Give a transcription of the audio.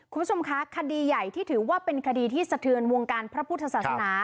คุณผู้ชมคะคดีใหญ่ที่ถือว่าเป็นคดีที่สะเทือนวงการพระพุทธศาสนา